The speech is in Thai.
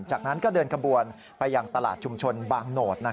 จากนั้นก็เดินกระบวนไปอย่างตลาดจุมชนบางโนธ